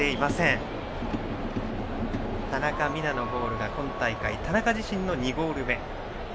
先ほどの田中美南のゴールが今大会、田中自身の２ゴール目。